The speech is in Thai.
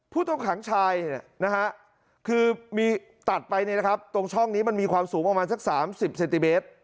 ผู้ต้องขังชายคือมีตัดไปตรงช่องนี้มันมีความสูงประมาณสัก๓๐เซนติเมตร